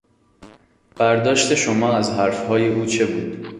برداشت شما از حرفهای او چه بود؟